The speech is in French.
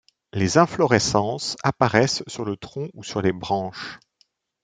Les inflorescences apparaissent sur le tronc ou sur les branches.